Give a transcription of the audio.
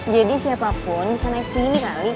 jadi siapapun bisa naik sini kali